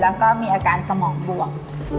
แล้วก็มีอาการสมองบวก